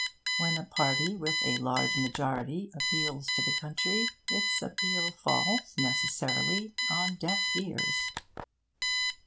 When a party with a large majority appeals to the country, its appeal falls, necessarily, on deaf ears.